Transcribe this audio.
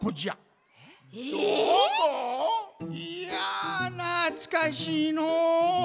いやなつかしいのう。